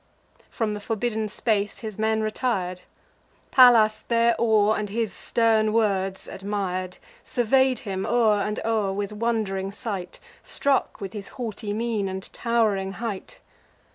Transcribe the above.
From the forbidden space his men retir'd. Pallas their awe, and his stern words, admir'd; Survey'd him o'er and o'er with wond'ring sight, Struck with his haughty mien, and tow'ring height.